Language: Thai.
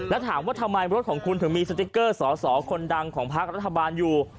แล้วถามว่าทำไมรถของคุณถึงมีสติ๊กเกอร์สอสอคนดังของภาครัฐบาลอยู่